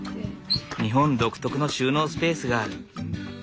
日本独特の収納スペースがある。